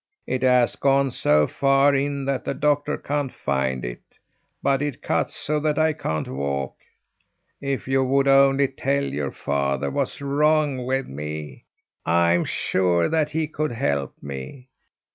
It has gone so far in that the doctor can't find it, but it cuts so that I can't walk. If you would only tell your father what's wrong with me, I'm sure that he could help me.